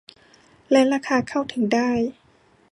และราคาเข้าถึงได้